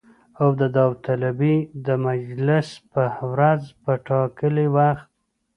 او د داوطلبۍ د مجلس په ورځ په ټاکلي وخت